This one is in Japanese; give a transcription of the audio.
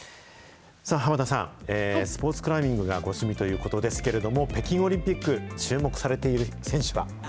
濱田さん、スポーツクライミングがご趣味ということですけれども、北京オリンピック、注目されている選手は？